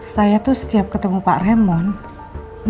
saya tuh setiap ketemu pak ramon